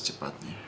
kenapa biting ya